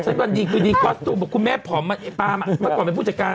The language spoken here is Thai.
สักวันดีกว่าดีกว่าสุดบอกคุณแม่ผอมมาไอ้ป้ามามาก่อนเป็นผู้จัดการ